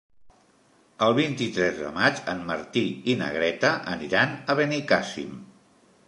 El vint-i-tres de maig en Martí i na Greta aniran a Benicàssim.